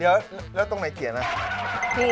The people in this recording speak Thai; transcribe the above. เหลือตรงไหนเขียนเด้อ